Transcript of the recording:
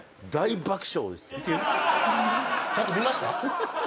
ちゃんと見ました？